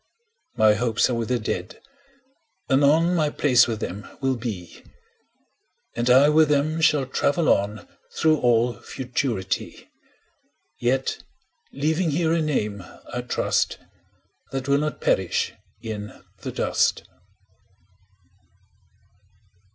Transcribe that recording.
My hopes are with the Dead; anon My place with them will be, 20 And I with them shall travel on Through all Futurity; Yet leaving here a name, I trust, That will not perish in the dust.